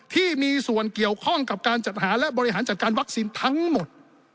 ที่มีส่วนเกี่ยวข้องกับการจัดหาและบริหารจัดการวัคซีนทั้งหมด